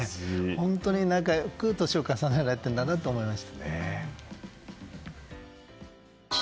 本当に仲良く年を重ねられているんだなと思いました。